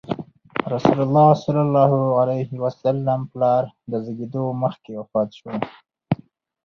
رسول الله ﷺ پلار د زېږېدو مخکې وفات شو.